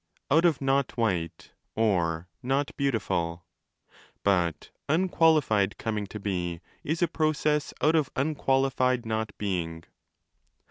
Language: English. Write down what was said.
out of not white or not beautiful); but wnxqualified coming to be is a process out of wuqualified not being.